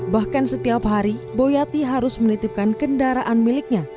bahkan setiap hari boyati harus menitipkan kendaraan miliknya